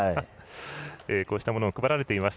こうしたものが配られています。